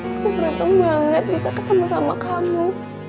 aku berantem banget bisa ketemu sama kamu